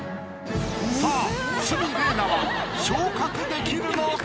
さあ鷲見玲奈は昇格できるのか？